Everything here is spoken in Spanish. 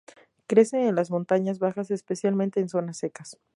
Crece en las montañas bajas, especialmente en zonas secas.